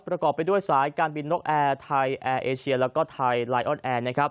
ประกอบไปด้วยสายการบินนกแอร์ไทยแอร์เอเชียแล้วก็ไทยไลออนแอร์นะครับ